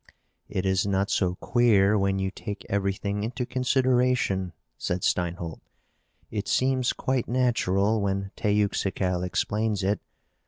"It is not so queer when you take everything into consideration," said Steinholt. "It seems quite natural when Teuxical explains it.